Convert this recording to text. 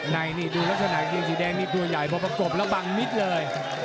ในนี่ดูลักษณะเกลียงสีแดงมีตัวใหญ่บบประกบระบังมิดเลย